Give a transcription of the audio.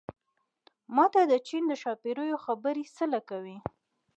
ما ته د چين د ښاپېرو خبرې څه له کوې